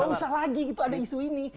nggak usah lagi gitu ada isu ini